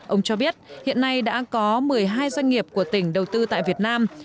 ông cho biết hiện nay đã có một mươi hai doanh nghiệp của tỉnh đầu tư tại việt nam